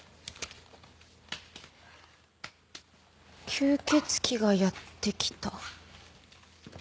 『吸血鬼がやってきた！』。